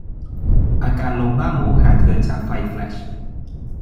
อาการลมบ้าหมูอาจเกิดจากไฟแฟลช